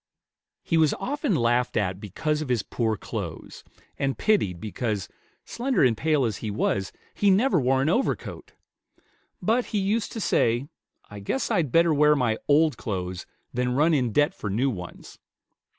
He was often laughed at because of his poor clothes, and pitied because, slender and pale as he was, he never wore an overcoat; but he used to say, "I guess I'd better wear my old clothes than run in debt for new ones."